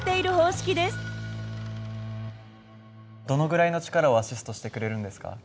どのぐらいの力をアシストしてくれるんですか？